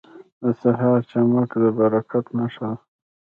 • د سهار چمک د برکت نښه ده.